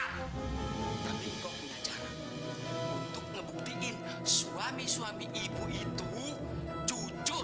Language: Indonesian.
tapi kau punya cara untuk ngebuktiin suami suami ibu itu cucu